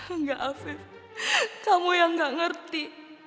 enggak afif kamu yang nggak ngerti